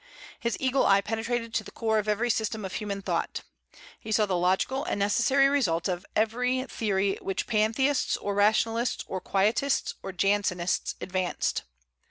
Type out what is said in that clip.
His eagle eye penetrated to the core of every system of human thought. He saw the logical and necessary results of every theory which Pantheists, or Rationalists, or Quietists, or Jansenists advanced.